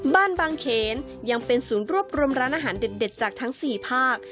บางเขนยังเป็นศูนย์รวบรวมร้านอาหารเด็ดจากทั้ง๔ภาค